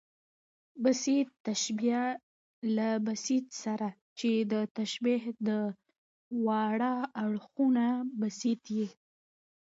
بسیط تشبیه له بسیط سره، چي د تشبیه د واړه اړخونه بسیط يي.